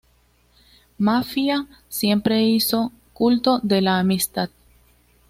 Maffia siempre hizo culto de la amistad.